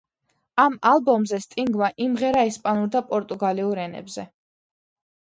ამ ალბომზე სტინგმა იმღერა ესპანურ და პორტუგალიურ ენებზე.